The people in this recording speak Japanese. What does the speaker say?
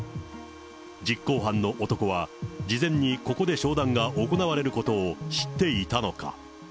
実行犯の男は、事前にここで商談が行われることを知っていたのか。